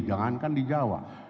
jangankan di jawa